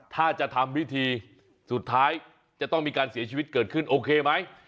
ถ้าจะทำวิธีสุดท้ายจะต้องมีการเสียชีวิตเกิดขึ้นโอเคไหม